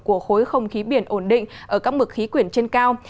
của khối không khí biển ổn định ở các mực khí quyển trên cao